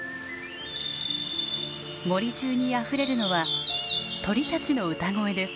森中にあふれるのは鳥たちの歌声です。